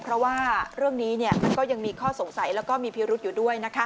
เพราะว่าเรื่องนี้มันก็ยังมีข้อสงสัยแล้วก็มีพิรุษอยู่ด้วย